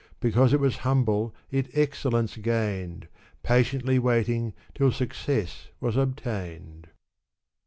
Because it was humble it excellence gained ; Patiently waiting till success was obtained.